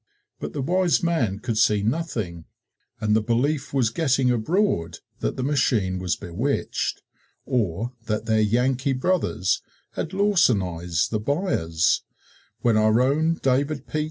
But the wise man could see nothing and the belief was getting abroad that the machine was bewitched, or that their Yankee brothers had lawsonized the buyers, when our own David P.